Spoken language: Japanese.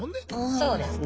そうですね。